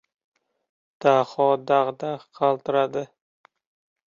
Daho dag‘-dag‘ qaltiradi.